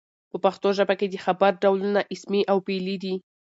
په پښتو ژبه کښي د خبر ډولونه اسمي او فعلي دي.